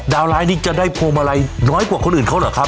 ร้ายนี้จะได้พวงมาลัยน้อยกว่าคนอื่นเขาเหรอครับ